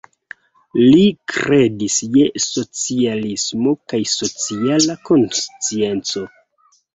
Li kredis je socialismo kaj sociala konscienco.